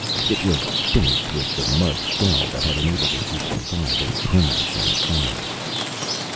It was finished with the mud shell that had enabled it to survive a crash and fire.